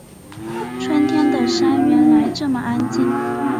春天的山原来这么安静